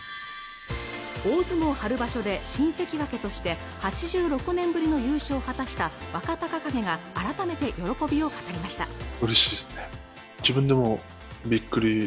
大相撲春場所で新関脇として８６年ぶりの優勝を果たした若隆景が改めて喜びを語りました